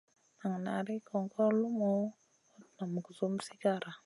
Nan nari gongor lumuʼu, hot nan gusum sigara.